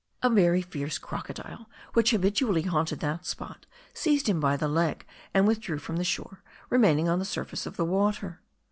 A very fierce crocodile, which habitually haunted that spot, seized him by the leg, and withdrew from the shore, remaining on the surface of the water.